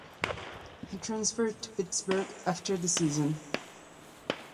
He transferred to Pittsburgh after the season.